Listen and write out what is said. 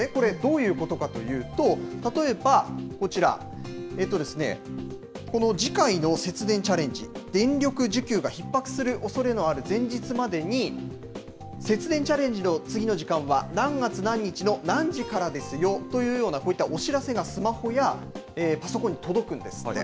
これ、どういうことかというと、例えばこちら、この次回の節電チャレンジ、電力需給がひっ迫するおそれのある前日までに節電チャレンジの次の時間は何月何日の何時からですよというような、こういったお知らせが、スマホやパソコンに届くんですって。